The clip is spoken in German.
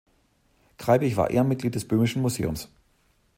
Kreibich war Ehrenmitglied des böhmischen Museums.